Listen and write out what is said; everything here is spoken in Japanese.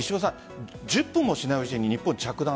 １０分もしないうちに日本に着弾。